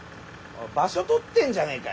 場所とってんじゃねえかよ！